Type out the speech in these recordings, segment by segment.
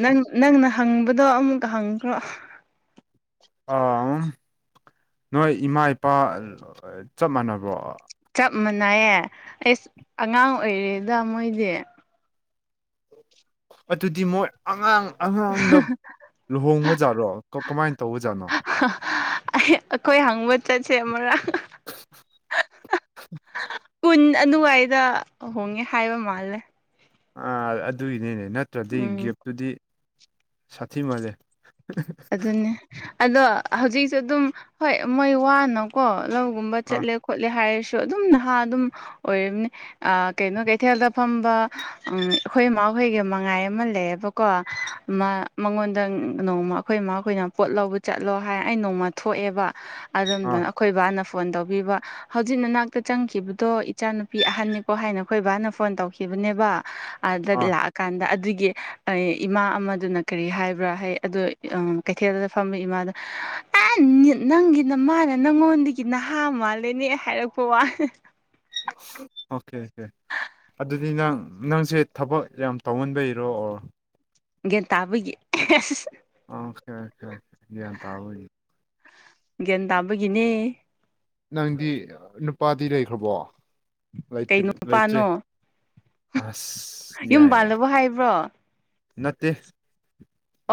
ꯅꯪ ꯅꯪꯅ ꯍꯪꯕꯗꯣ ꯑꯃꯨꯛꯀ ꯍꯪꯈ꯭ꯔꯣ ꯑꯝ ꯅꯣꯏ ꯏꯃꯥ ꯏꯄꯥ ꯆꯞ ꯃꯥꯟꯅꯕꯣ ꯆꯞ ꯃꯥꯟꯅꯩꯌꯦ ꯑꯩꯁ ꯑꯉꯥꯡ ꯑꯣꯏꯔꯤꯗ ꯃꯣꯏꯗꯤ ꯑꯗꯨꯗꯤ ꯃꯣꯏ ꯑꯉꯥꯡ ꯑꯉꯥꯡꯗ ꯂꯨꯍꯣꯡꯕꯖꯥꯠꯔꯣ ꯀꯃꯥꯏꯅ ꯇꯧꯕꯖꯥꯠꯅꯣ ꯑꯩ ꯑꯩꯈꯣꯏ ꯍꯪꯕ ꯆꯠꯁꯦ ꯑꯃꯔꯥꯡ ꯀꯨꯟ ꯑꯗꯨꯋꯥꯏꯗꯍꯣꯡꯉꯦ ꯍꯥꯏꯕ ꯃꯥꯜꯂꯦ ꯑꯥ ꯑꯗꯨꯒꯤꯅꯤꯅꯦ ꯅꯠꯇ꯭ꯔꯗꯤ ꯎꯝ ꯒꯦꯞꯇꯨꯗꯤ ꯁꯥꯊꯤꯃꯜꯂꯦ ꯑꯗꯨꯅꯦ ꯑꯗꯣ ꯍꯧꯖꯤꯛꯁꯨ ꯑꯗꯨꯝ ꯍꯣꯏ ꯃꯣꯏ ꯋꯥꯅꯣ ꯀꯣ ꯂꯧꯒꯨꯝꯕ ꯑꯥ ꯆꯠꯂꯦ ꯈꯣꯠꯂꯦ ꯍꯥꯏꯔꯁꯨ ꯑꯗꯨꯝ ꯅꯍꯥ ꯑꯗꯨꯝ ꯑꯣꯏꯔꯤꯕꯅꯤ ꯑ ꯀꯩꯅꯣ ꯀꯩꯊꯦꯜꯗ ꯐꯝꯕ ꯎꯝ ꯑꯩꯈꯣꯏ ꯏꯃꯥꯍꯣꯏꯒꯤ ꯃꯉꯥꯏ ꯑꯃ ꯂꯩꯌꯦꯕ ꯀꯣ ꯃ ꯃꯉꯣꯟꯗ ꯅꯣꯡꯃ ꯑꯩꯈꯣꯏ ꯏꯃꯥꯈꯣꯏꯅ ꯄꯣꯠ ꯂꯧꯕ ꯆꯠꯂꯣ ꯍꯥꯏ ꯑꯩ ꯅꯣꯡꯃ ꯊꯣꯛꯑꯦꯕ ꯑꯥ ꯑꯗꯨꯝꯗꯅ ꯑꯩꯈꯣꯏ ꯕꯥꯅ ꯐꯣꯟ ꯇꯧꯕꯤꯕ ꯍꯧꯖꯤꯛ ꯅꯅꯥꯛꯇ ꯆꯪꯈꯤꯕꯗꯣ ꯏꯆꯥꯅꯨꯄꯤ ꯑꯍꯟꯅꯤꯀꯣ ꯍꯥꯏꯅ ꯑꯩꯈꯣꯏ ꯕꯥꯅ ꯐꯣꯟ ꯇꯧꯈꯤꯕꯅꯦꯕ ꯑꯗ ꯑꯥ ꯂꯥꯛꯑꯀꯥꯟꯗ ꯑꯗꯨꯒꯤ ꯏꯃꯥ ꯑꯃꯗꯨꯅ ꯀꯔꯤ ꯍꯥꯏꯕ꯭ꯔꯥ ꯍꯥꯏ ꯑꯗ ꯀꯩꯊꯦꯜꯗꯨꯗ ꯐꯝꯕ ꯏꯃꯥꯗ ꯑꯦ ꯅꯪꯒꯤꯅ ꯃꯥꯅ ꯅꯪꯉꯣꯟꯗꯒꯤ ꯅꯍꯥ ꯃꯥꯜꯂꯦꯅꯦ ꯍꯥꯏꯔꯛꯄ ꯋꯥ ꯑꯣꯀꯦ ꯑꯣꯀꯦ ꯑꯗꯨꯗꯤ ꯅꯪ ꯅꯪꯁꯦ ꯊꯕꯛ ꯌꯥꯝ ꯇꯧꯃꯟꯕꯩꯔꯣ ꯒ꯭ꯌꯥꯟ ꯇꯥꯕꯒꯤ [unintelligible] ꯑꯣꯈꯦ ꯑꯣꯈꯦ ꯒꯌꯥꯟ ꯇꯥꯕꯒꯤ ꯒ꯭ꯌꯥꯟ ꯇꯥꯕꯒꯤꯅꯦ ꯅꯪꯗꯤ ꯅꯨꯄꯥꯗꯤ ꯂꯩꯈ꯭ꯔꯕꯣ ꯀꯩꯅꯣ ꯂꯩꯇ꯭ꯔꯦ ꯂꯩꯇ꯭ꯔꯦ ꯅꯨꯄꯥꯅꯣ ꯑꯁ ꯌꯨꯝ ꯌꯥꯏ ꯌꯥꯏ ꯄꯜꯂꯕꯣ ꯍꯥꯏꯕ꯭ꯔꯣ ꯅꯠꯇꯦ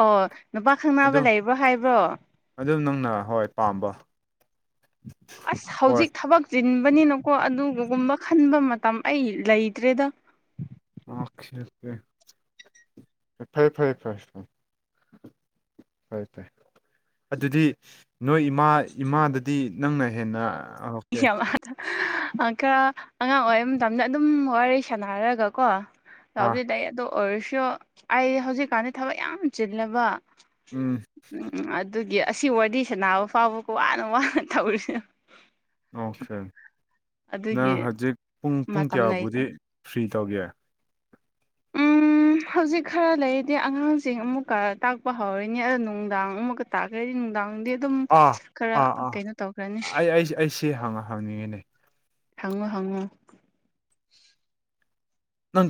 ꯑꯣ ꯅꯨꯄꯥ ꯈꯪꯅꯕ ꯂꯩꯕ꯭ꯔꯣ ꯍꯥꯏꯕ꯭ꯔꯣ ꯑꯗꯨ ꯅꯪꯅ ꯍꯣꯏ ꯄꯥꯝꯕ ꯑꯁ ꯍꯣꯏ ꯍꯧꯖꯤꯛ ꯊꯕꯛ ꯆꯤꯟꯕꯅꯤꯅꯀꯣ ꯑꯗꯨꯒꯒꯨꯝꯕ ꯈꯟꯕ ꯃꯇꯝ ꯑꯩ ꯂꯩꯇ꯭ꯔꯦꯗ ꯑꯣ ꯐꯔꯦ ꯐꯔꯦ ꯐꯔꯦ ꯍꯥꯏꯥꯏ ꯇ ꯑꯗꯨꯗꯤ ꯅꯣꯏ ꯏꯃꯥ ꯏꯃꯥꯗꯗꯤ ꯅꯪꯅ ꯍꯦꯟꯅ ꯈꯔ ꯑꯉꯥꯡ ꯑꯣꯏꯔꯤꯩ ꯃꯇꯝꯗ ꯑꯗꯨꯝ ꯋꯥꯔꯤ ꯁꯥꯟꯅꯔꯒ ꯀꯣ ꯑꯥ ꯌꯥꯥꯎꯗꯤ ꯂꯩ ꯑꯗꯨ ꯑꯣꯏꯔꯁꯨ ꯑꯩ ꯍꯧꯖꯤꯛꯀꯥꯟꯗꯤ ꯊꯕꯛ ꯌꯥꯝ ꯆꯤꯜꯂꯕ ꯎꯝ ꯎꯝ ꯑꯗꯨꯒꯤ ꯑꯁꯤ ꯋꯥꯔꯤ ꯁꯅꯕ ꯐꯥꯎꯕ ꯋꯥꯅ ꯋꯥꯅ ꯇꯧꯔꯤꯅ ꯑꯣꯀꯦ ꯅꯪ ꯑꯗꯨꯒꯤ ꯍꯧꯖꯤꯛ ꯄꯨꯡ ꯄꯨꯡ ꯃꯇꯝ ꯂꯩꯇꯦ ꯀꯌꯥꯕꯨꯗꯤ ꯐ꯭ꯔꯤ ꯇꯧꯒꯦ ꯎꯝ ꯍꯧꯖꯤꯛ ꯈꯔ ꯂꯩꯔꯗꯤ ꯑꯉꯥꯡꯁꯤꯡ ꯑꯃꯨꯛꯀ ꯇꯥꯛꯄ ꯍꯧꯔꯅꯤ ꯑꯗꯣ ꯅꯨꯡꯗꯥꯡ ꯑꯃꯨꯛꯀ ꯇꯥꯛꯈ꯭ꯔꯦꯗꯤ ꯅꯨꯡꯗꯥꯡꯗꯤ ꯑꯗꯨꯝ ꯑꯥ ꯈꯔ ꯑꯥ ꯑꯥ ꯀꯩꯅꯣ ꯇꯧꯈ꯭ꯔꯅꯤ ꯑꯩ ꯑꯩ ꯑꯩ ꯁꯤ ꯍꯪꯉ ꯍꯪꯅꯤꯡꯉꯤꯅꯦ ꯍꯉꯣ ꯍꯉꯣ ꯅꯪ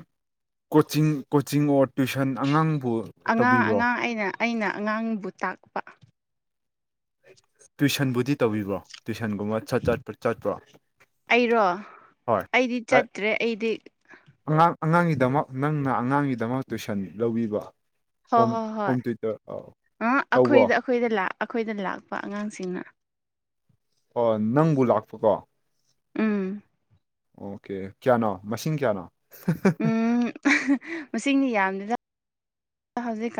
ꯀꯣꯆꯤꯡ ꯀꯣꯆꯤꯡ ꯑꯣꯔ ꯇ꯭ꯋꯏꯁꯟ ꯑꯉꯥꯡꯕꯨ ꯑꯉꯥꯡ ꯇꯧꯕꯤꯕ꯭ꯔꯣ ꯑꯉꯥꯡ ꯑꯩꯅ ꯑꯩꯅ ꯑꯉꯥꯡꯕꯨ ꯇꯥꯛꯄ ꯇꯨꯋꯏꯤꯁꯟꯕꯨꯗꯤ ꯇꯧꯕꯤꯕ꯭ꯔꯣ ꯇꯨꯏꯁꯟꯒꯨꯝꯕꯠ ꯆꯠꯄ ꯆꯠꯄ꯭ꯔꯣ ꯑꯩꯔꯣ ꯍꯣꯏ ꯑꯩꯗꯤ ꯑꯩ ꯆꯠꯇ꯭ꯔꯦ ꯑꯩꯗꯤ ꯑꯉꯥꯡ ꯑꯉꯥꯡꯒꯤꯗꯃꯛ ꯅꯪꯅ ꯑꯉꯥꯡꯒꯤꯗꯃꯛ ꯇꯨꯏꯁꯟ ꯂꯧꯕꯤꯕ ꯍꯣꯏ ꯍꯣꯝ ꯍꯣꯏ ꯍꯣꯏ ꯍꯣꯝ ꯊꯤꯇꯔ ꯑ ꯇꯧꯕ꯭ꯔꯣ ꯑꯩꯈꯣꯏꯗ ꯑꯩꯈꯣꯏꯗ ꯂ ꯑꯩꯈꯣꯏꯗ ꯂꯥꯛꯄ ꯑꯉꯥꯡꯁꯤꯡꯅ ꯑꯣ ꯅꯪꯕꯨ ꯂꯥꯛꯄꯀꯣ ꯎꯝ ꯑꯣꯀꯦ ꯀꯌꯥꯅꯣ ꯃꯁꯤꯡ ꯀꯌꯥꯅꯣ ꯃꯁꯤꯡꯅꯤ ꯌꯥꯝꯗꯨꯅ ꯍꯧꯖꯤꯛ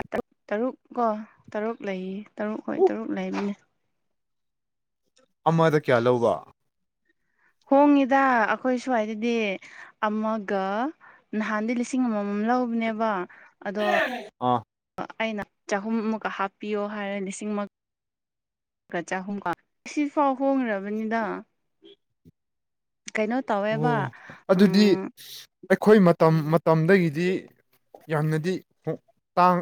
ꯇꯔꯨꯛ ꯀꯣ ꯇꯔꯨꯛ ꯂꯩꯌꯦ ꯇꯔꯨꯛ ꯍꯣꯏ ꯎ ꯇꯔꯨꯛ ꯂꯩꯕꯅꯦ ꯑꯃꯗ ꯀꯌꯥ ꯂꯧꯕ ꯍꯣꯡꯉꯤꯗ ꯑꯩꯈꯣꯏ ꯁ꯭ꯋꯥꯏꯗꯗꯤ ꯑꯃꯒ ꯅꯍꯥꯟꯗꯤꯩ ꯂꯤꯁꯤꯡ ꯑꯃꯃꯝ ꯂꯧꯕꯅꯦꯕ ꯑꯗꯣ ꯑꯥ ꯑꯩꯅ ꯆꯍꯨꯝꯃꯨꯛꯀ ꯍꯥꯞꯄꯤꯌꯣ ꯍꯥꯏꯔꯦ ꯂꯤꯁꯤꯡꯃ ꯆꯍꯨꯝꯒ ꯁꯤꯐꯥꯎ ꯍꯣꯡꯈ꯭ꯔꯕꯅꯤꯗ ꯀꯩꯅꯣ ꯇꯧꯋꯦꯕ ꯑꯣ ꯑꯗꯨꯗꯤ ꯎꯝ ꯑꯩꯈꯣꯏ ꯃꯇꯝ ꯃꯇꯝꯗꯒꯤꯗꯤ ꯌꯥꯝꯅꯗꯤꯥꯡ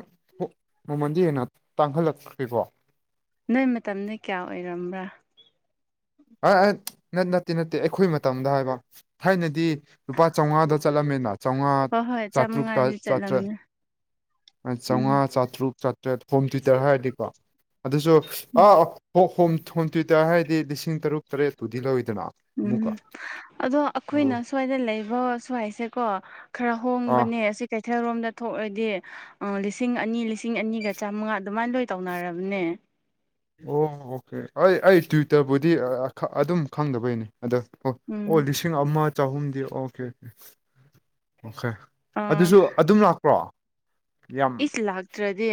ꯃꯃꯜꯗꯤ ꯍꯦꯟꯅ ꯇꯥꯡꯈꯜꯂꯛꯈ꯭ꯦꯀꯣ ꯅꯣꯏ ꯃꯇꯝꯅꯦ ꯀꯌꯥ ꯑꯣꯏꯔꯝꯕ꯭ꯔꯥ ꯑ ꯅꯠꯇꯦ ꯅꯠꯇꯦ ꯑꯩꯈꯣꯏ ꯃꯇꯝꯗ ꯍꯥꯏꯕ ꯊꯥꯏꯅꯗꯤ ꯂꯨꯄꯥ ꯆꯧꯉꯥꯗ ꯆꯠꯂꯝꯃꯦꯅ ꯆꯧꯉꯥ ꯍꯣꯏ ꯍꯣꯏ ꯆꯥꯇ꯭ꯔꯨꯛꯇ ꯆꯥꯝꯃꯉꯥꯗꯤ ꯆꯥꯇ꯭ꯔꯦꯠ ꯆꯠꯂꯝꯅꯦ ꯎꯝ ꯆꯥꯝꯃꯉꯥ ꯆꯥꯇ꯭ꯔꯨꯛ ꯆꯥꯇ꯭ꯔꯦꯠ ꯍꯣꯝ ꯊꯌꯨꯇꯔ ꯍꯥꯏꯔꯗꯤꯀꯣ ꯑꯗꯨꯁꯨ ꯑꯥ ꯑ ꯍ ꯍꯣꯝ ꯍꯣꯝꯇ꯭ꯌꯨꯇ ꯍꯥꯏꯔꯗꯤ ꯂꯤꯁꯤꯡ ꯇꯔꯨꯛ ꯇꯔꯦꯠꯇꯨꯗꯤ ꯂꯧꯣꯏꯗꯅ ꯎꯝ ꯑꯗꯣ ꯑꯩꯈꯣꯏꯅ ꯁ꯭ꯋꯥꯏꯗ ꯂꯩꯕ ꯁ꯭ꯋꯥꯏꯁꯦꯀꯣ ꯈꯔ ꯑꯥ ꯍꯣꯡꯕꯅꯦ ꯑꯁꯤ ꯀꯩꯊꯦꯜꯔꯣꯝꯗ ꯊꯣꯛꯑꯗꯤ ꯂꯤꯁꯤꯡ ꯑꯅꯤ ꯂꯤꯁꯤꯡ ꯑꯅꯤꯒ ꯆꯥꯝꯃꯉꯥ ꯑꯗꯨꯃꯥꯏꯅ ꯂꯣꯏ ꯇꯧꯅꯔꯕꯅꯦ ꯑꯣ ꯑꯣꯀꯦ ꯑꯩ ꯑꯩ ꯇ꯭ꯋꯤꯇꯔꯕꯨꯗꯤ ꯑꯗꯨꯝ ꯈꯪꯗꯕꯩꯅꯦ ꯑꯗꯣ ꯑꯣ ꯑꯣ ꯎꯝ ꯂꯤꯁꯤꯡ ꯑꯃ ꯆꯍꯨꯝꯗꯤ ꯑꯣꯀꯦꯀꯦ ꯑꯣ ꯐꯦ ꯑ ꯑꯗꯨꯁꯨ ꯑꯗꯨꯝ ꯂ ꯑꯩꯁ ꯂꯥꯛꯇ꯭ꯔꯗꯤ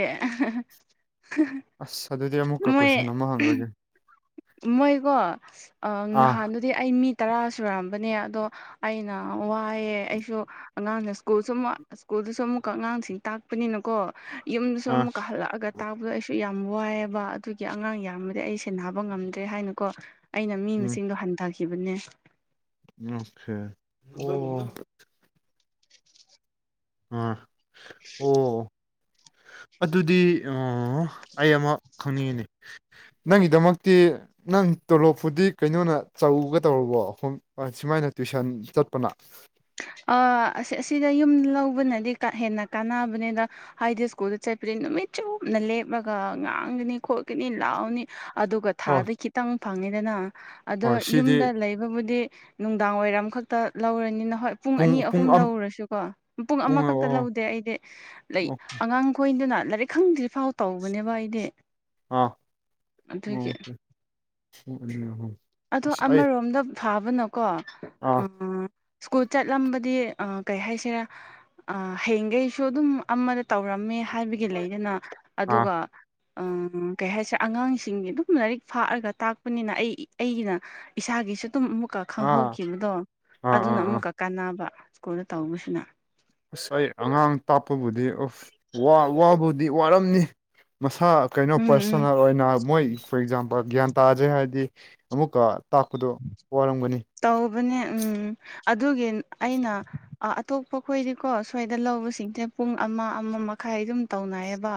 ꯑꯁ ꯑꯗꯨꯗꯤ ꯑꯃꯨꯛꯀ ꯃꯣꯏ ꯀꯣꯏꯁꯟ ꯑꯃ ꯍꯪꯂꯒꯦ ꯃꯣꯏꯀꯣ ꯑꯥ ꯅꯍꯥꯟꯗꯨꯗꯤ ꯑꯩ ꯃꯤ ꯇꯔꯥ ꯁꯨꯔꯑꯝꯕꯅꯦ ꯑꯗꯣ ꯑꯩꯅ ꯋꯥꯏꯌꯦ ꯑꯩꯁꯨ ꯑꯉꯥꯡꯅ ꯁ꯭ꯀꯨꯜ ꯁꯨ ꯑꯃꯨꯛ ꯁ꯭ꯀꯨꯜꯗꯨꯁꯨ ꯑꯃꯨꯛꯀ ꯑꯉꯥꯡꯁꯤꯡ ꯇꯥꯛꯄꯅꯤꯅꯀꯣ ꯌꯨꯝꯗꯁꯨ ꯑꯥ ꯑꯃꯨꯛ ꯀꯥ ꯍꯜꯂꯛꯑꯒ ꯇꯥꯛꯕꯗꯣ ꯑꯩꯁꯨ ꯌꯥꯝ ꯋꯥꯏꯑꯦꯕ ꯑꯗꯨꯒꯤ ꯑꯉꯥꯡ ꯌꯥꯝꯃꯗꯤ ꯑꯩ ꯁꯦꯟꯅꯕ ꯉꯝꯗ꯭ꯔꯦ ꯍꯥꯏꯅ ꯀꯣ ꯑꯩꯅ ꯃꯤ ꯎꯝ ꯃꯁꯤꯡꯗꯣ ꯍꯟꯊꯒꯦ ꯁꯤꯕꯨꯅꯦ ꯑꯣꯦ ꯑꯣ ꯑꯥ ꯑꯣ ꯑꯗꯨꯗꯤ ꯑꯩ ꯑꯃ ꯈꯪꯅꯤꯡꯉꯤꯅꯤ ꯅꯪꯒꯤꯗꯃꯛꯇꯤ ꯅꯪ ꯇꯣꯂꯣꯞꯄꯨꯗꯤ ꯀꯩꯅꯣꯅ ꯆꯧꯒ ꯇꯧꯔꯕꯣ ꯑꯩꯈꯣꯏ ꯁꯨꯃꯥꯏꯅ ꯇꯨꯋꯏꯁꯟ ꯆꯠꯄꯅ ꯑ ꯑꯁꯤꯗ ꯌꯨꯝ ꯂꯧꯕꯅꯗꯤ ꯍꯦꯟꯅ ꯀꯥꯟꯅꯕꯅꯤꯗ ꯍꯥꯏꯗꯤ ꯁ꯭ꯀꯨꯜꯗ ꯆꯠꯄꯁ ꯅꯨꯃꯤꯠ ꯆꯨꯞꯅ ꯂꯦꯞꯂꯒ ꯉꯥꯡꯒꯅꯤ ꯈꯣꯠꯀꯅꯤ ꯂꯥꯎꯅꯤ ꯑꯗꯨꯒ ꯍꯣꯏ ꯊꯥꯗ ꯈꯤꯇꯪ ꯐꯪꯉꯤꯗꯅ ꯑꯗꯣ ꯍꯣꯏ ꯁꯤꯗꯤ ꯌꯨꯝꯗ ꯂꯩ ꯑꯗꯨꯕꯨꯗꯤ ꯅꯨꯡꯗꯥꯡ ꯋꯥꯏꯔꯝꯈꯛꯇ ꯂꯧꯔꯅꯤꯅ ꯍꯣꯏ ꯄꯨꯡ ꯑꯅꯤ ꯑꯍꯨꯝ ꯂꯧꯔꯁꯨꯀꯣ ꯄꯨꯡ ꯑꯣ ꯑꯃꯈꯛꯇ ꯑꯣ ꯂꯧꯗꯦ ꯑꯩꯗꯤ ꯂꯩ ꯑꯉꯥꯡ ꯑꯩꯈꯣꯏꯗꯨꯅ ꯂꯥꯏꯔꯤꯛ ꯈꯪꯗ꯭ꯔꯤꯐꯥꯎ ꯇꯧꯕꯅꯦꯕ ꯑꯩꯗꯤ ꯑꯥ ꯑꯗꯨꯒꯤ ꯑꯗꯣ ꯑꯁ ꯑꯩ ꯑꯃꯔꯣꯝꯗ ꯐꯥꯕꯅꯣꯀꯣ ꯑꯥ ꯎ ꯆꯠꯂꯝꯕꯗꯤ ꯀꯩ ꯍꯥꯏꯁꯤꯔꯦ ꯍꯌꯦꯡꯈꯩꯁꯨ ꯑꯗꯨꯝ ꯑꯃꯗ ꯇꯧꯔꯝꯃꯦ ꯍꯥꯏꯕꯒꯤ ꯂꯩꯗꯅ ꯑꯥ ꯑꯥ ꯑꯗꯨꯒ ꯀꯩ ꯍꯥꯏꯁꯦ ꯑꯉꯥꯡꯁꯤꯡꯒꯤ ꯑꯗꯨꯝ ꯂꯥꯏꯔꯤꯛ ꯐꯥꯛꯑꯒ ꯇꯥꯛꯄꯅꯤꯅ ꯑꯩ ꯑꯩꯒꯤꯅ ꯏꯁꯥꯒꯤꯁꯨ ꯑꯗꯨꯝ ꯑꯃꯨꯛꯀꯛ ꯑꯥ ꯈꯪꯍꯧꯈꯤꯕꯗꯣ ꯑꯗꯨꯅ ꯑꯥ ꯑꯥ ꯑꯃꯨꯛꯀ ꯀꯥꯟꯅꯕ ꯁ꯭ꯀꯨꯜꯗ ꯇꯧꯕꯁꯤꯅ ꯑꯁ ꯑꯩ ꯑꯉꯥꯡ ꯇꯥꯛꯄꯕꯨꯗꯤ ꯑꯁ ꯋꯥꯕꯨꯗꯤ ꯋꯥꯔꯝꯅꯤ ꯃꯁꯥ ꯀꯩꯅꯣ ꯎꯝ ꯎꯝ ꯄꯔꯁꯣꯅꯦꯜ ꯑꯣꯏꯅ ꯃꯣꯏ ꯐꯣꯔ ꯑꯦꯛꯖꯥꯝꯄꯜ ꯒ꯭ꯌꯥꯟ ꯇꯥꯖꯩ ꯍꯥꯏꯔꯗꯤ ꯑꯃꯨꯛꯀ ꯇꯥꯛꯄꯗꯨ ꯋꯥꯔꯝꯒꯅꯤ ꯇꯧꯕꯅꯦ ꯎꯝ ꯑꯗꯨꯒꯤ ꯑꯩꯅ ꯑꯇꯣꯞꯄ ꯈꯣꯏꯗꯤꯀꯣ ꯁ꯭ꯋꯥꯏꯗ ꯂꯧꯕꯁꯤꯡꯁꯦ ꯄꯨꯡ ꯑꯃꯥ ꯑꯃꯥ ꯃꯈꯥꯏ ꯑꯗꯨꯝ ꯇꯧꯅꯩꯌꯦꯕ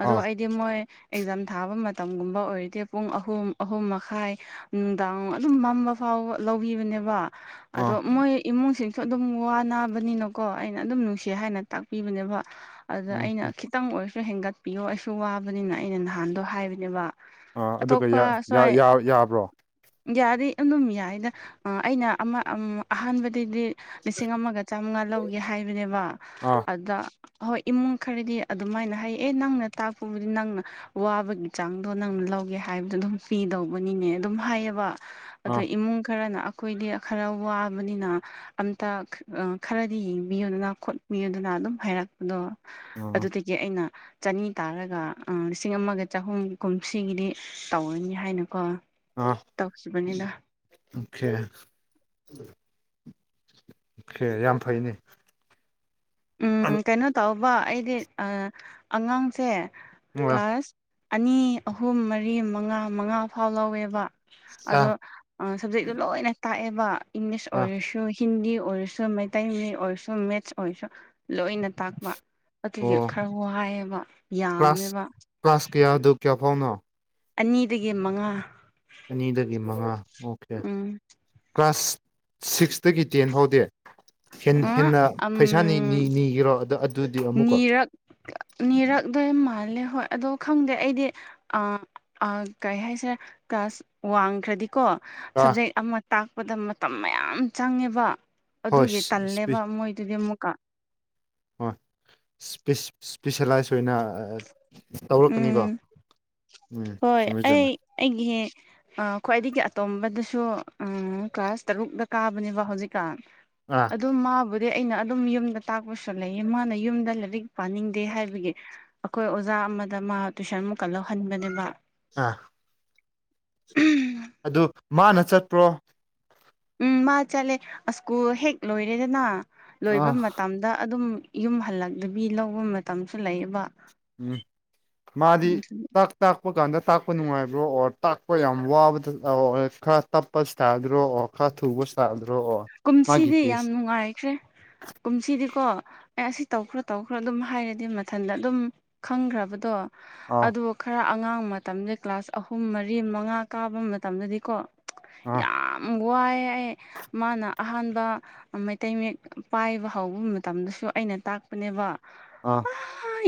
ꯑꯗꯣ ꯑꯥ ꯑꯩꯗꯤ ꯃꯣꯏ ꯑꯦꯛꯖꯥꯝ ꯊꯥꯕ ꯃꯇꯝꯒꯨꯝꯕ ꯑꯣꯏꯔꯗꯤꯦ ꯄꯨꯡ ꯑꯍꯨꯝ ꯑꯍꯨꯝ ꯃꯈꯥꯏ ꯅꯨꯡꯗꯥꯡ ꯑꯗꯨꯝ ꯃꯝꯃꯥ ꯐꯥꯎꯕ ꯂꯧꯕꯤꯕꯥꯅꯦꯕ ꯑꯥ ꯑꯗꯣ ꯃꯣꯏ ꯏꯃꯨꯡꯁꯤꯡꯁꯨ ꯑꯗꯨꯝ ꯋꯥ ꯅꯥꯕꯅꯤꯅꯀꯣ ꯑꯩꯅ ꯑꯗꯨꯝ ꯅꯨꯡꯁꯤ ꯍꯥꯏꯅ ꯇꯥꯛꯄꯤꯕꯅꯦꯕ ꯑꯗꯨꯗ ꯎꯝ ꯑꯩꯅ ꯈꯤꯇꯪ ꯑꯣꯏꯔꯁꯨ ꯍꯦꯟꯒꯠꯄꯤꯌꯣ ꯑꯩꯁꯨ ꯋꯥꯕꯅꯤꯅ ꯑꯩꯅ ꯅꯍꯥꯟꯗꯣ ꯍꯥꯏꯕꯅꯦꯕ ꯑꯥ ꯑꯗꯨꯒ ꯑꯇꯣꯞꯄ ꯁ꯭ꯋꯥꯏ ꯌꯥꯕ꯭ꯔꯣ ꯌꯥꯗꯤ ꯑꯗꯨꯝ ꯌꯥꯏꯗ ꯑꯩꯅ ꯑꯃ ꯑꯍꯥꯟꯕꯗꯗꯤ ꯂꯤꯁꯤꯡ ꯑꯃꯒ ꯆꯥꯝꯃꯉꯥ ꯂꯧꯒꯦ ꯍꯥꯏꯕꯅꯦꯕ ꯑꯥ ꯑꯗꯨꯗ ꯍꯣꯏ ꯏꯃꯨꯡ ꯈꯔꯗꯤ ꯑꯗꯨꯃꯥꯏꯅ ꯍꯥꯏꯌꯦ ꯑꯦ ꯅꯪꯅ ꯇꯥꯛꯄꯕꯨꯗꯤ ꯅꯪꯅ ꯋꯥꯕꯒꯤ ꯆꯥꯡꯗꯣ ꯅꯪꯅ ꯂꯧꯒꯦ ꯍꯥꯏꯕꯗꯣ ꯑꯗꯨꯝ ꯄꯤꯗꯧꯕꯅꯤꯅꯦ ꯑꯗꯨꯝ ꯍꯥꯏꯌꯦꯕ ꯑꯗꯣ ꯑꯥ ꯏꯃꯨꯡ ꯈꯔꯅ ꯑꯩꯈꯣꯏꯗꯤ ꯈꯔ ꯋꯥꯕꯅꯤꯅ ꯑꯝꯇ ꯈ꯭ꯔꯗꯤ ꯌꯦꯡꯕꯤꯌꯨꯗꯅ ꯈꯣꯠꯄꯤꯌꯨꯗꯅ ꯑꯗꯨꯝ ꯍꯥꯏꯔꯛꯄꯗꯣ ꯑꯥ ꯑꯗꯨꯗꯒꯤ ꯑꯩꯅ ꯆꯅꯤ ꯇꯥꯔꯒ ꯂꯤꯁꯤꯡ ꯑꯃꯒ ꯆꯍꯨꯝ ꯀꯨꯝꯁꯤꯒꯤꯗꯤ ꯇꯧꯔꯅꯤ ꯍꯥꯏꯅꯀꯣ ꯑꯥ ꯇꯧꯈꯤꯕꯅꯤꯗ ꯑꯣꯀꯦ ꯑꯣꯀꯦ ꯌꯥꯝ ꯐꯩꯅꯦ ꯎ ꯀꯩꯅꯣ ꯇꯧꯕ ꯑꯩꯗꯤ ꯑꯉꯥꯡꯁꯦ ꯑꯥ ꯀ꯭ꯂꯥꯁ ꯑꯅꯤ ꯑꯍꯨꯝ ꯃꯔꯤ ꯃꯉꯥ ꯃꯉꯥ ꯐꯥꯎ ꯂꯧꯋꯦꯕ ꯑꯗꯣ ꯑꯥ ꯁꯞꯖꯦꯛꯇꯣ ꯂꯣꯏꯅ ꯇꯥꯛꯑꯦꯕ ꯏꯪꯂꯤꯁ ꯑꯣꯏꯔꯁꯨ ꯍꯤꯟꯗꯤ ꯑꯣꯏꯔꯁꯨ ꯃꯩꯇ ꯑꯣꯏꯔꯁꯨ ꯃꯦꯠꯁ ꯑꯣꯏꯔꯁꯨ ꯂꯣꯏꯅ ꯇꯥꯛꯄ ꯑꯗꯨꯒꯤ ꯑꯣ ꯈ꯭ꯔ ꯋꯥꯏꯌꯦꯕ ꯀ꯭ꯂꯥꯁ ꯌꯥꯝꯃꯦꯕ ꯀ꯭ꯂꯥꯁ ꯀꯌꯥ ꯑꯗꯨ ꯀꯌꯥ ꯐꯥꯎꯅꯣ ꯑꯅꯤꯗꯒꯤ ꯃꯉꯥ ꯑꯅꯤꯗꯒꯤ ꯃꯉꯥ ꯑꯣꯀꯦ ꯎꯝ ꯀ꯭ꯂꯥꯁ ꯁꯤꯛꯁꯇꯥꯒꯤ ꯇꯦꯟ ꯐꯥꯎꯗꯤ ꯍ ꯍꯦꯟꯅ ꯎꯝ ꯄꯩꯁꯥꯅꯤ ꯅꯤꯒꯤꯔꯣ ꯑꯗ ꯑꯗꯨꯗꯤ ꯑꯃꯨꯛꯀꯣ ꯅꯤꯔꯛ ꯅꯤꯔꯛꯗꯣꯏ ꯃꯥꯜꯂꯦ ꯍꯣꯏ ꯑꯗꯣ ꯈꯪꯗꯦ ꯑꯩꯗꯤ ꯑ ꯑ ꯀꯩ ꯍꯥꯏꯁꯤꯔꯥ ꯀ꯭ꯂꯥꯁ ꯋꯥꯡꯈ꯭ꯔꯗꯤꯀꯣ ꯑꯥ ꯁꯕꯖꯦꯛ ꯑꯃ ꯇꯥꯛꯄꯗ ꯃꯇꯝ ꯃꯌꯥꯝ ꯆꯪꯉꯦꯕ ꯍꯣꯏꯄꯤ ꯃꯣꯏ ꯑꯗꯨꯗꯤ ꯑꯃꯨꯛ ꯣꯏ ꯏꯁꯄꯤꯁꯦꯂꯥꯏꯁ ꯑꯣꯏꯅ ꯇꯧꯔꯛꯀꯅꯤꯀꯣ ꯎꯝ ꯎꯝ ꯍꯣꯏ ꯆꯨꯝꯃꯦ ꯆꯨꯝꯃꯦ ꯑꯩ ꯑꯩꯒꯤ ꯈ꯭ꯋꯥꯏꯗꯒꯤ ꯑꯇꯣꯝꯕꯗꯁꯨ ꯀ꯭ꯂꯥꯁ ꯇꯔꯨꯛꯛꯇ ꯀꯥꯕꯅꯦꯕ ꯍꯧꯖꯤꯛꯀꯥꯟ ꯑꯥ ꯑꯗꯨ ꯃꯥꯕꯨꯗꯤ ꯑꯩꯅ ꯑꯗꯨꯝ ꯌꯨꯝꯗ ꯇꯥꯛꯄꯁꯨ ꯂꯩꯌꯦ ꯃꯥꯅ ꯌꯨꯝꯗ ꯂꯥꯏꯔꯤꯛ ꯄꯥꯅꯤꯡꯗꯦ ꯍꯥꯏꯕꯒꯤ ꯑꯩꯈꯣꯏ ꯑꯣꯖꯥ ꯑꯃꯗ ꯃꯥ ꯇꯨꯏꯁꯟ ꯃꯨꯛꯀꯟ ꯂꯧꯍꯟꯕꯅꯦꯕ ꯑ ꯎꯝ ꯑꯗꯨ ꯃꯥꯅ ꯆꯠꯇꯄ꯭ꯔꯣ ꯎꯝ ꯃꯥ ꯆꯠꯂꯦ ꯁꯀꯨꯜ ꯍꯦꯛ ꯂꯣꯏꯔꯦꯗꯅ ꯂꯣꯏꯕ ꯑꯥ ꯃꯇꯝꯗ ꯑꯗꯨꯝ ꯌꯨꯝ ꯍꯜꯂꯛꯇꯕꯤ ꯂꯧꯕ ꯃꯇꯝꯁꯨ ꯂꯩꯌꯦꯕ ꯎꯝ ꯃꯥꯗꯤ ꯇ ꯇꯥꯛꯄ ꯀꯥꯟꯗ ꯇꯥꯛꯄ ꯅꯨꯡꯉꯥꯏꯕ꯭ꯔꯣ ꯑꯣꯔ ꯇꯥꯛꯄ ꯌꯥꯝ ꯋꯥꯕꯗꯔ ꯈꯔ ꯇꯞꯄ ꯏꯁꯇꯥꯏꯜꯗꯨꯔꯣ ꯑꯣꯔ ꯍꯥꯥ ꯊꯨꯕ ꯆꯥꯗ꯭ꯔꯣꯑꯣ ꯀꯨꯝꯁꯤꯗꯤ ꯌꯥꯝ ꯅꯨꯡꯉꯥꯏꯈ꯭ꯔꯦ ꯀꯨꯝꯁꯤꯗꯤꯀꯣ ꯑꯦ ꯑꯁꯤ ꯇꯧꯈ꯭ꯔꯣ ꯇꯧꯈ꯭ꯔꯣ ꯑꯗꯨꯝ ꯍꯥꯏꯔꯗꯤ ꯃꯊꯟꯇ ꯑꯗꯨꯝ ꯈꯪꯈ꯭ꯔꯕꯗꯣ ꯑꯥ ꯑꯗꯨ ꯈꯔ ꯑꯉꯥꯡꯕ ꯃꯇꯝꯗ ꯀ꯭ꯂꯥꯁ ꯑꯍꯨꯝ ꯃꯔꯤ ꯃꯉꯥ ꯀꯥꯕ ꯃꯇꯝꯗꯗꯤꯀꯣ ꯑꯥ ꯌꯥꯝ ꯋꯥꯏꯌꯦ ꯑꯩ ꯃꯥꯅ ꯑꯍꯥꯟꯕ ꯃꯩꯇꯩ ꯃꯌꯦꯛ ꯄꯥꯏꯕ ꯍꯧꯕ ꯃꯇꯝꯗꯁꯨ ꯑꯩꯅ ꯇꯥꯛꯄꯅꯦꯕ ꯑꯥ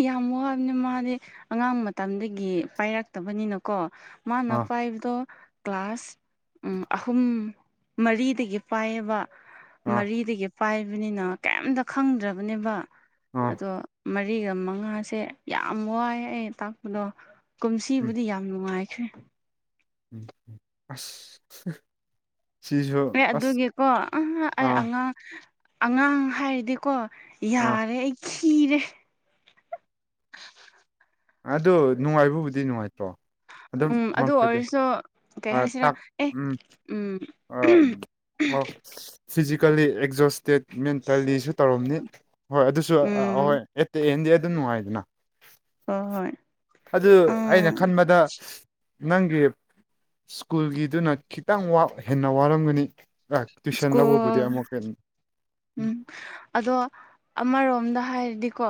ꯌꯥꯝ ꯋꯥꯕꯅꯤ ꯃꯥꯗꯤ ꯑꯉꯥꯡ ꯃꯇꯝꯗꯒꯤ ꯄꯥꯏꯔꯛꯇꯕꯅꯤꯅꯀꯣ ꯃꯥꯅ ꯑꯥ ꯄꯥꯏꯕꯗꯣ ꯀ꯭ꯂꯥꯁ ꯑꯍꯨꯝ ꯃꯔꯤꯗꯒꯤ ꯄꯥꯏꯑꯕ ꯑꯥ ꯑꯥ ꯃꯔꯤꯗꯒꯤ ꯄꯥꯏꯕꯅꯤꯅ ꯀꯩꯝꯇ ꯈꯪꯗ꯭ꯔꯕꯅꯦꯕ ꯑꯗꯣ ꯃꯔꯤꯒ ꯃꯉꯥꯁꯦ ꯌꯥꯝ ꯋꯥꯏ ꯑꯩ ꯇꯥꯛꯄꯗꯣ ꯎꯝ ꯀꯨꯝꯁꯤꯕꯨꯗꯤ ꯌꯥꯝ ꯅꯨꯡꯉꯥꯏꯈ꯭ꯔꯦ ꯎꯝ ꯑꯁ ꯑꯦ ꯁꯤꯁꯨ ꯑꯁ ꯑꯗꯨꯒꯤꯀꯣ ꯑ ꯑꯩ ꯑꯥ ꯑꯉꯥꯡ ꯑꯉꯥꯡ ꯍꯥꯏꯔꯗꯤꯀꯣ ꯑꯥ ꯌꯥꯔꯦ ꯑꯩ ꯈꯤꯔꯦ ꯑꯗꯣ ꯅꯨꯡꯉꯥꯏꯕꯕꯨꯗꯤ ꯅꯨꯡꯉꯥꯏꯇ꯭ꯔꯣ ꯑꯗꯨꯝ ꯎꯝ ꯑꯗꯨ ꯃꯥꯔꯛꯇꯗꯤ ꯑꯣꯏꯔꯁꯨ ꯀꯩ ꯑ ꯍꯥꯏꯁꯤꯔꯥ ꯇꯥꯛ ꯑꯦ ꯎꯝ ꯎꯝ ꯑ ꯑꯣ ꯐꯤꯖꯤꯀꯦꯜꯂꯤ ꯑꯦꯛꯖꯣꯁꯇꯦꯠ ꯃꯦꯟꯇꯦꯜꯂꯤꯁꯨ ꯇꯧꯔꯝꯅꯤ ꯍꯣꯏ ꯑꯗꯨꯁꯨ ꯎꯝ ꯑꯍꯣꯏ ꯑꯦꯠ ꯗ ꯑꯦꯟꯗꯤ ꯑꯗꯨꯝ ꯅꯨꯡꯉꯥꯏꯗꯅ ꯍꯣ ꯍꯣꯏ ꯑꯗꯨ ꯑꯩꯅ ꯎꯝ ꯈꯟꯕꯗ ꯅꯪꯒꯤ ꯁ꯭ꯀꯨꯜꯒꯤꯗꯨꯅ ꯈꯤꯇꯪ ꯋꯥꯕ ꯍꯦꯟꯅ ꯋꯥꯔꯝꯒꯅꯤ ꯇꯨꯏꯁꯟ ꯂꯧꯕꯥꯕꯨꯗꯤ ꯁ꯭ꯀꯨꯜ ꯑꯃꯨꯛꯀ ꯎꯝ ꯑꯗꯣ ꯑꯃꯥꯔꯣꯝꯗ ꯍꯥꯏꯔꯥꯗꯤꯀꯣ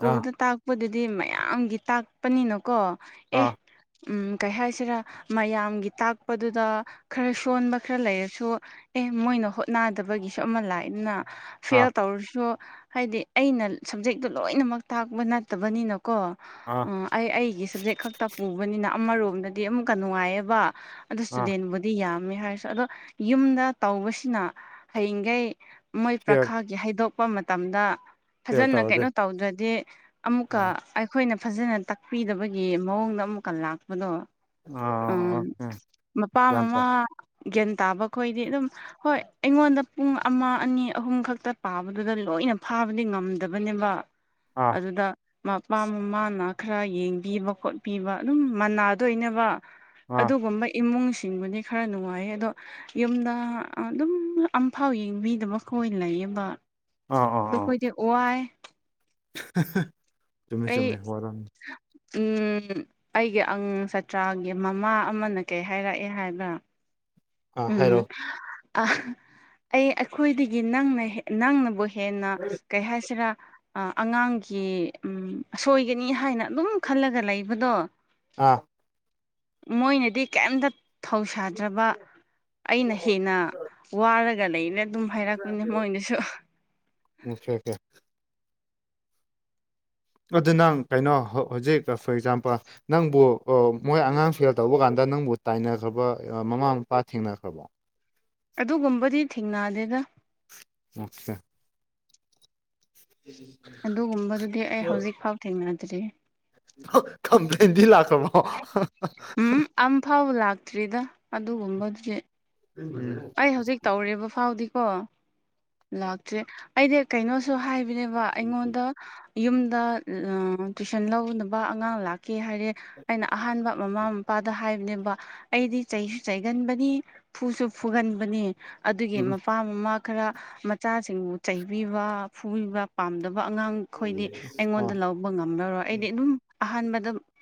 ꯑꯥ ꯇꯥꯛ ꯇꯥꯛꯄꯗꯨꯗꯤ ꯃꯌꯥꯝꯒꯤ ꯇꯥꯛꯄꯅꯤꯅ ꯀꯣ ꯑꯦ ꯑꯥ ꯎꯝ ꯀꯩ ꯍꯥꯏꯁꯤꯔꯥ ꯃꯌꯥꯝꯒꯤ ꯇꯥꯛꯄꯗꯨꯗ ꯈꯔ ꯁꯣꯟꯕ ꯈꯔ ꯂꯩꯔꯁꯨ ꯑꯦ ꯃꯣꯏꯅ ꯍꯣꯠꯅꯗꯕꯒꯤꯁꯨ ꯑꯃ ꯂꯥꯛꯑꯦꯗꯅ ꯑꯥ ꯐꯦꯜ ꯇꯧꯔꯥꯁꯨ ꯍꯥꯏꯗꯤ ꯑꯩꯅ ꯁꯞꯖꯦꯛꯇꯣ ꯂꯣꯏꯅꯃꯛ ꯇꯥꯛꯄ ꯅꯠꯇꯕꯅꯤꯅꯥꯀꯣ ꯑꯥ ꯑꯩ ꯑꯩꯒꯤ ꯁꯞꯖꯦꯛ ꯈꯛꯇ ꯄꯨꯕꯅꯤꯅ ꯑꯃꯔꯣꯝꯗꯗꯤ ꯑꯃꯨꯛꯀ ꯅꯨꯡꯉꯥꯏꯑꯕ ꯑꯗꯨ ꯑꯥ ꯏꯁꯇꯨꯗꯦꯟꯕꯨ ꯗꯤ ꯌꯥꯝꯃꯦ ꯍꯥꯏꯔꯁꯨ ꯑꯗꯣ ꯌꯨꯝꯗ ꯇꯧꯕꯁꯤꯅ ꯍꯌꯦꯡꯈꯩ ꯃꯣꯏ ꯐꯦꯜ ꯄꯔꯈ꯭ꯌꯥꯒꯤ ꯍꯥꯏꯗꯣꯛꯄ ꯃꯇꯝꯗ ꯐꯦꯜ ꯐꯖꯥꯅ ꯇꯧꯔꯗꯤ ꯀꯩꯅꯣ ꯇꯧꯗ꯭ꯔꯗꯤ ꯑꯃꯨꯛꯀꯥ ꯑꯥ ꯑꯩꯈꯣꯏꯅ ꯐꯖꯥꯅ ꯇꯥꯛꯄꯤꯗꯕꯒꯤ ꯃꯑꯣꯡꯗ ꯑꯃꯨꯛꯀꯥ ꯂꯥꯛꯄꯗꯣ ꯎꯝ ꯑꯥ ꯑꯥ ꯃꯄꯥ ꯒ꯭ꯌꯥꯟ ꯃꯃꯥ ꯇꯥꯏ ꯒ꯭ꯌꯥꯟ ꯇꯥꯕ ꯈꯣꯏꯗꯤ ꯑꯗꯨꯝ ꯍꯣꯏ ꯑꯩꯉꯣꯟꯗ ꯄꯨꯡ ꯑꯃ ꯑꯅꯤ ꯑꯍꯨꯝ ꯈꯛꯇ ꯄꯥꯕꯗꯨꯗ ꯂꯣꯏꯅ ꯐꯥꯕꯗꯤ ꯉꯝꯗꯥꯕꯅꯦꯕ ꯑꯥ ꯑꯗꯨꯗ ꯃꯄꯥ ꯃꯃꯥꯅ ꯈ꯭ꯔ ꯌꯦꯡꯕꯤꯕ ꯈꯣꯠꯄꯤꯕ ꯑꯗꯨꯝ ꯃꯥꯟꯅꯗꯣꯏꯅꯦꯕ ꯑꯥ ꯑꯗꯨꯒꯨꯝꯕ ꯏꯃꯨꯡꯁꯤꯡꯕꯨꯗꯤ ꯈ꯭ꯔ ꯅꯨꯡꯉꯥꯏꯌꯦ ꯑꯗꯣ ꯌꯨꯝꯗ ꯑꯗꯨꯝ ꯑꯝꯐꯥꯎ ꯌꯦꯡꯕꯤꯗ ꯃꯈꯣꯏ ꯂꯩꯌꯦꯕ ꯑꯥ ꯑꯥ ꯑꯥ ꯑꯗꯨꯈꯣꯏꯗꯤ ꯋꯥꯏ [unintelligible] ꯆꯨꯝꯃꯦ ꯑꯩ ꯆꯨꯝꯃꯦ ꯋꯥꯔꯝꯅꯤ ꯎꯝ ꯑꯩꯒꯤ ꯑꯉꯥꯡ ꯁꯥꯇ꯭ꯔꯥꯒꯤ ꯃꯃꯥ ꯑꯃꯅ ꯀꯩ ꯍꯥꯏꯔꯛꯑꯦ ꯍꯥꯏꯕ ꯑꯥ ꯎꯝ ꯍꯥꯏꯔꯣ ꯑ ꯑꯩ ꯑꯩꯈꯣꯏꯗꯒꯤ ꯅꯪꯅ ꯍꯦꯟ ꯅꯪꯅꯕꯨ ꯍꯦꯟꯅ ꯀꯩ ꯍꯥꯏꯁꯤꯔꯥ ꯑꯉꯥꯡꯒꯤ ꯑꯁꯣꯏꯒꯅꯤ ꯍꯥꯏꯅ ꯑꯗꯨꯝ ꯈꯜꯂꯒ ꯂꯩꯕꯗꯣ ꯑꯥ ꯃꯣꯏꯅꯗꯤ ꯀꯔꯤꯝꯇ ꯊꯧꯁꯥꯗ꯭ꯔꯕ ꯑꯩꯅ ꯍꯦꯟꯅ ꯋꯥꯔꯒ ꯂꯩꯅ ꯑꯗꯨꯝ ꯍꯥꯏꯔꯛꯄꯅꯦ ꯃꯣꯏꯅꯥꯁꯨ ꯑꯣꯀꯦ ꯑꯣꯀꯦ ꯑꯗꯨ ꯅꯪ ꯀꯩꯅꯣ ꯍꯧꯖꯤꯛ ꯐꯣꯔ ꯑꯦꯛꯖꯥꯝꯄꯜ ꯅꯪꯕꯨ ꯃꯣꯏ ꯑꯉꯥꯡ ꯐꯦꯜ ꯇꯧꯕ ꯀꯥꯟꯗ ꯅꯪꯕꯨ ꯇꯥꯏꯅꯈ꯭ꯔꯕ ꯃꯃꯥ ꯃꯄꯥ ꯊꯦꯡꯅꯈ꯭ꯔꯕꯣ ꯑꯗꯨꯒꯨꯝꯕꯗꯤ ꯊꯦꯡꯅꯗꯦꯗ ꯃꯁꯆꯥ ꯎꯝ ꯑꯗꯨꯒꯨꯝꯕꯗꯨꯗꯤ ꯑꯩ ꯍꯧꯖꯤꯛ ꯐꯥꯎ ꯊꯦꯡꯅꯗ꯭ꯔꯤ ꯀꯝꯄ꯭ꯂꯦꯟꯗꯤ ꯂꯥꯛ ꯀꯃꯣ [unintelligible] ꯎꯝ ꯑꯝ ꯐꯥꯎꯕ ꯂꯥꯛꯇ꯭ꯔꯤꯗ ꯑꯗꯨꯒꯨꯝꯕꯗꯨꯗꯤ ꯎꯝ ꯑꯩ ꯍꯧꯖꯤꯛ ꯇꯧꯔꯤꯕ ꯐꯥꯎꯗꯤꯀꯣ ꯂꯥꯛꯇ꯭ꯔꯤ ꯑꯩꯗꯤ ꯀꯩꯅꯣꯁꯨ ꯍꯥꯏꯕꯅꯦꯕ ꯑꯩꯉꯣꯟꯗ ꯌꯨꯝꯗ ꯇꯨꯏꯁꯟ ꯂꯧꯒꯗꯕ ꯑꯉꯥꯡ ꯂꯥꯛꯀꯦ ꯍꯥꯏꯔꯦ ꯑꯩꯅ ꯑꯍꯥꯟꯕ ꯃꯃꯥ ꯃꯄꯥꯗ ꯍꯥꯏꯕꯅꯦꯕ ꯑꯩꯗꯤ ꯆꯩꯁꯨ ꯆꯩꯒꯟꯕꯥꯅꯤ ꯐꯨꯁꯨ ꯐꯨꯒꯟꯕꯅꯤ ꯑꯗꯨꯒꯤ ꯃꯄꯥꯝꯃꯛ ꯈ꯭ꯔ ꯃꯆꯥꯁꯤꯡꯕꯨ ꯆꯩꯕꯤꯕ ꯐꯨꯕꯤꯕ ꯄꯥꯝꯗꯕ ꯑꯉꯥꯡ ꯑꯩꯈꯣꯏꯗꯤ ꯑꯥ ꯑꯩꯉꯣꯟꯗ ꯂꯧꯕ ꯉꯝꯂꯥꯔꯣꯏ ꯑꯩꯗꯤ ꯑꯗꯨꯝ ꯑꯍꯥꯟꯕꯗ